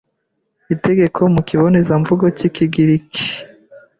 itegeko mu kibonezamvugo cy'Ikigiriki